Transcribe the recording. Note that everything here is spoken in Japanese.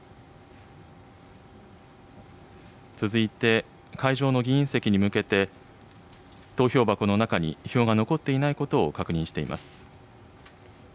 続いて、会場の議員席に向けて、投票箱の中に票が残っていないことを確認しています。